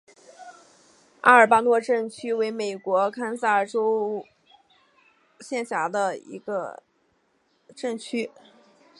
阿尔巴诺镇区为美国堪萨斯州斯塔福德县辖下的镇区。